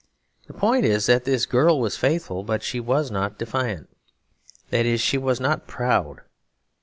The point is that this girl was faithful but she was not defiant; that is, she was not proud.